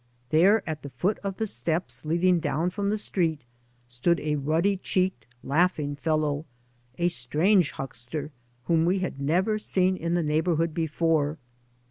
There at the foot of the steps leading down from the street stood a ruddy cheeked, laughing fellow, a strange huckster whom we had never seen in the neighbourhood before.